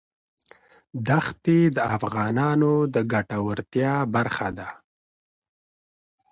دښتې د افغانانو د ګټورتیا برخه ده.